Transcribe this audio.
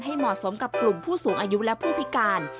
เหมาะสมกับกลุ่มผู้สูงอายุและผู้พิการ